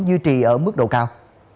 giữ trì ở mức độ cao